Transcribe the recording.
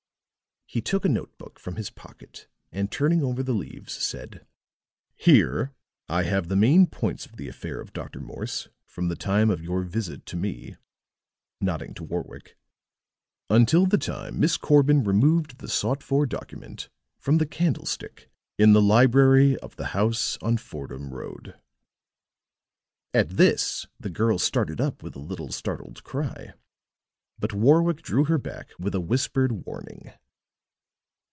He took a note book from his pocket and turning over the leaves, said: "Here I have the main points of the affair of Dr. Morse from the time of your visit to me," nodding to Warwick, "until the time Miss Corbin removed the sought for document from the candlestick in the library of the house on Fordham Road." At this the girl started up with a little startled cry; but Warwick drew her back with a whispered warning.